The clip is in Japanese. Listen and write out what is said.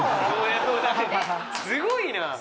すごいな。